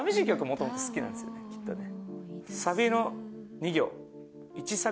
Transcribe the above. もともと好きなんですよねきっとね。